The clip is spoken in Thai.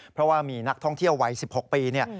เพราะว่ามีนักท่องเที่ยววัย๑๖ปีเนี่ย